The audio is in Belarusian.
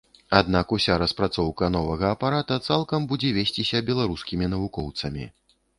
Аднак уся распрацоўка новага апарата цалкам будзе весціся беларускімі навукоўцамі.